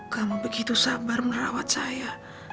kamu begitu sabar merawat saya